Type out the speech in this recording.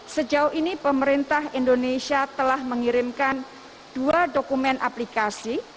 sejauh ini pemerintah indonesia telah mengirimkan dua dokumen aplikasi